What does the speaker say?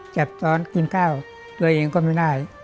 ตอนกินข้าวตัวเองก็ไม่ได้